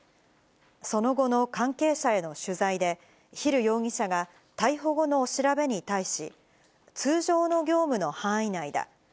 その後の関係者への取材で、ヒル容疑者が逮捕後の調べに対し、通常の業務の範囲内だ。